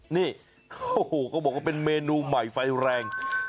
นี่โอ้โหก็บอกว่าเป็นเมนูใหม่ไฟแรง